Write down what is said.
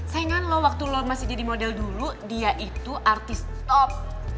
saya ingat lo waktu lo masih jadi model dulu dia itu artis top